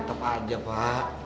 tetep aja pak